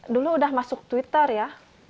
dulu udah masuk twitter ya